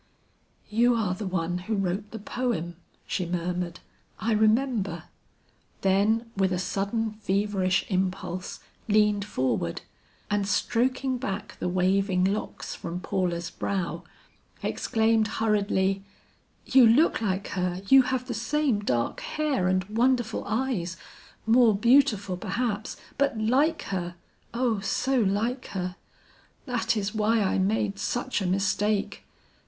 "You are the one who wrote the poem," she murmured; "I remember." Then with a sudden feverish impulse, leaned forward, and stroking back the waving locks from Paula's brow, exclaimed hurriedly, "You look like her, you have the same dark hair and wonderful eyes, more beautiful perhaps, but like her, O so like her! That is why I made such a mistake."